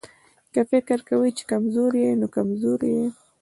که فکر کوې چې کمزوری يې نو کمزوری يې.